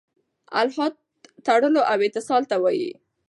الحاد تړلو او اتصال ته وايي.